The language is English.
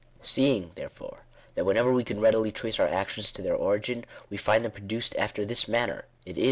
Seeing, , therefore, that whenever we can readily trace our actions to their origin, we find them produced after this manner, it is, c 2 Digitized by VjOOQIC .